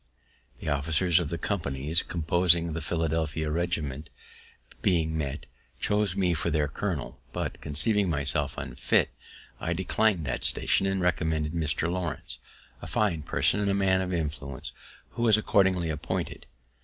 ] The officers of the companies composing the Philadelphia regiment, being met, chose me for their colonel; but, conceiving myself unfit, I declin'd that station, and recommended Mr. Lawrence, a fine person, and man of influence, who was accordingly appointed.